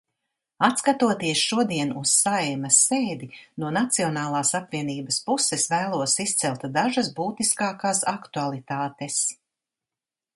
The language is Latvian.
Atskatoties šodien uz Saeimas sēdi, no Nacionālās apvienības puses vēlos izcelt dažas būtiskākās aktualitātes.